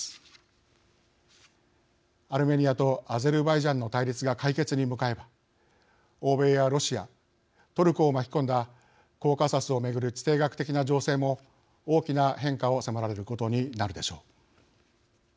アルメニアとアゼルバイジャンの対立が解決に向かえば欧米やロシアトルコを巻き込んだコーカサスを巡る地政学的な情勢も大きな変化を迫られることになるでしょう。